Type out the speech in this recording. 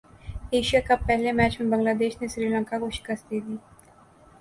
Asia cup پہلے match میں Bangladesh نے سری لنکا کو شکست دیدی